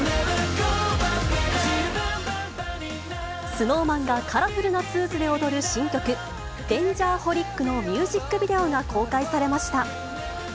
ＳｎｏｗＭａｎがカラフルなスーツで踊る新曲、Ｄａｎｇｅｒｈｏｌｉｃのミュージックビデオが公開されました。